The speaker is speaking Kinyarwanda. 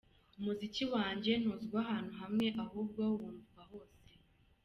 Umuziki wanjye ntuzwi ahantu hamwe ahubwo wumvwa hose.